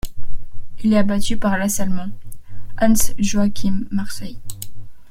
Il est abattu par l'as allemand Hans-Joachim Marseille.